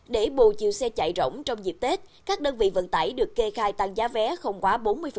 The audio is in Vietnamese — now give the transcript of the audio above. để bù chiều xe chạy rỗng trong dịp tết các đơn vị vận tải được kê khai tăng giá vé không quá bốn mươi